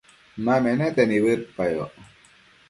ma menete nibëdpayoc